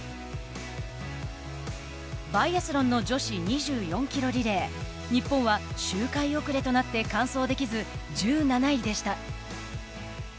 バイアスロンの女子２４ｋｍリレー日本は周回遅れとなって完走できず１７位でした。